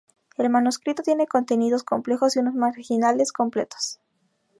El manuscrito tiene contenidos complejos y unos marginales completos.